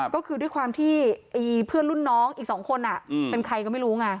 ก็คือด้วยความที่เพื่อนรุ่นน้องอีก๒คนเป็นใครก็ไม่รู้ไง